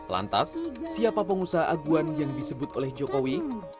lantas siapa pengusaha aguan yang disebut oleh jokowi